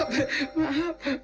jangan bikin mak mau